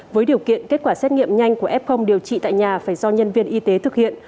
với điều kiện kết quả xét nghiệm nhanh của f điều trị tại nhà phải do nhân viên y tế thực hiện